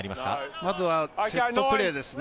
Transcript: まずはセットプレーですね。